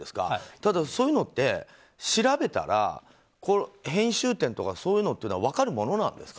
ただ、そういうのって調べたら編集点とかそういうのっていうのは分かるものなんですか。